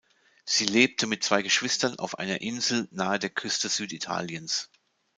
Sie lebte mit zwei Geschwistern auf einer Insel nahe der Küste Süditaliens.